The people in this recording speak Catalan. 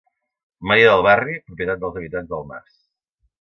Maria del Barri, propietat dels habitants del mas.